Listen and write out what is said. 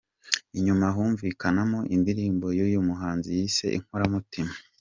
Inyuma humvikanamo indirimbo y’uyu muhanzi yise ‘Inkoramutima’.